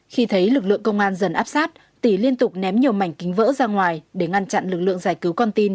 khi thấy lực lượng công an dần áp sát tỷ liên tục ném nhiều mảnh kính vỡ ra ngoài để ngăn chặn lực lượng giải cứu con tin